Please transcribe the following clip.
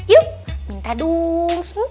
yuk minta dong